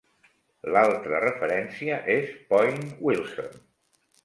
L'altra referència és Point Wilson.